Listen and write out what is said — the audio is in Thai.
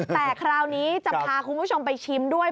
แต่คราวนี้จะพาคุณผู้ชมไปชิมด้วย